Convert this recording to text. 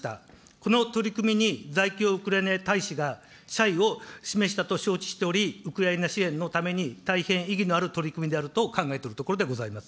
この取り組みに、在京ウクライナ大使が謝意を示したと承知しており、ウクライナ支援のために、大変意義のある取り組みであると考えておるところでございます。